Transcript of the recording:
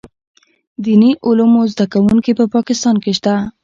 دیني علومو زده کوونکي په پاکستان کې شته.